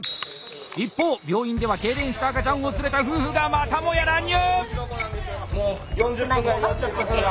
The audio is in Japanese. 一方病院では痙攣した赤ちゃんを連れた夫婦がまたもや乱入！